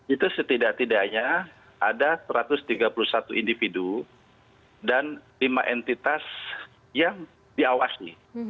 itu setidak tidaknya ada satu ratus tiga puluh satu individu dan lima entitas yang diawasi